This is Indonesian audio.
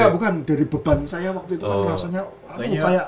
ya bukan dari beban saya waktu itu kan rasanya lumayan